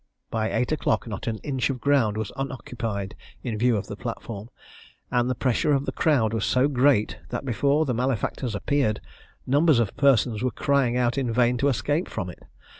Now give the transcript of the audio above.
By eight o'clock, not an inch of ground was unoccupied in view of the platform, and the pressure of the crowd was so great, that before the malefactors appeared, numbers of persons were crying out in vain to escape from it.